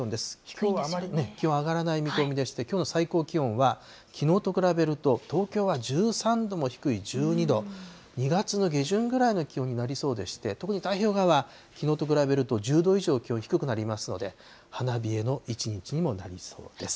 きょうはあまり気温上がらない見込みでして、きょうの最高気温は、きのうと比べると、東京は１３度も低い１２度、２月の下旬ぐらいの気温になりそうでして、特に太平洋側、きのうと比べると１０度以上、気温低くなりますので、花冷えの一日にもなりそうです。